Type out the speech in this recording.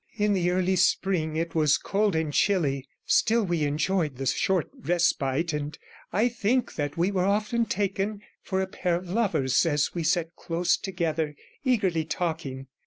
In the early spring it was cold and chilly; still we enjoyed the short respite, and I think that we were often taken for a pair of lovers, as we sat close together, eagerly talking.